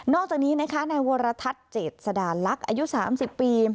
จากนี้นะคะนายวรทัศน์เจษดาลักษณ์อายุ๓๐ปี